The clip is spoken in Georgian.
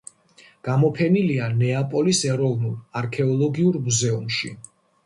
გამოფენილია ნეაპოლის ეროვნულ არქეოლოგიურ მუზეუმში.